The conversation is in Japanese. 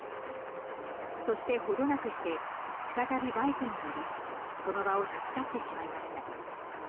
そして、程なくして再びバイクに乗りその場を立ち去ってしまいました。